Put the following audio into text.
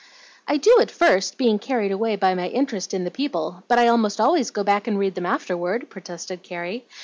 "I do at first, being carried away by my interest in the people, but I almost always go back and read them afterward," protested Carrie.